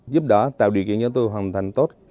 giúp đỡ tạo điều kiện cho tôi hoàn thành tốt